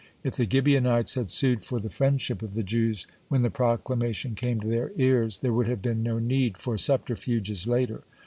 If the Gibeonites had sued for the friendship of the Jews when the proclamation came to their ears, there would have been no need for subterfuges later.